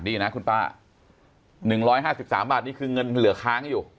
ดีนะคุณป้า๑๕๓บาทนี่คือเงินเหลือค้างอยู่